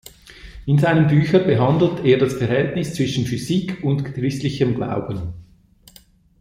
In seinen Büchern behandelt er das Verhältnis zwischen Physik und christlichem Glauben.